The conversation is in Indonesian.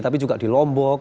tapi juga di lombok